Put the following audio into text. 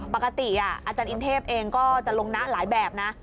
ปกติอาจารย์อินเทพเองก็จะลงนะหลายแบบนะ